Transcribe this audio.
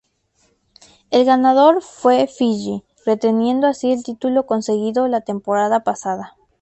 El ganador fue Fiyi reteniendo así el título conseguido la temporada pasada.